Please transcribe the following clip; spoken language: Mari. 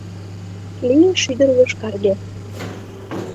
Лие шӱдыр йошкарге